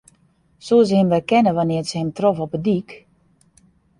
Soe se him werkenne wannear't se him trof op de dyk?